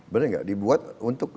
benar tidak dibuat untuk